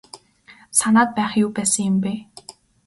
Санаад байх юу байсан юм бэ.